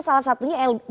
salah satunya ysl